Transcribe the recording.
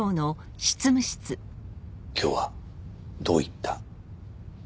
今日はどういった？